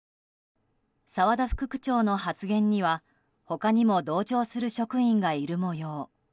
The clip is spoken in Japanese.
澤田副区長の発言には他にも同調する職員がいる模様。